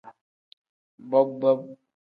Bob-bob.